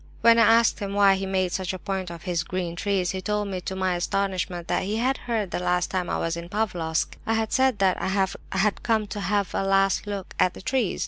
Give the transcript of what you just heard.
When I asked him why he made such a point of his 'green trees,' he told me, to my astonishment, that he had heard that last time I was in Pavlofsk I had said that I had come 'to have a last look at the trees.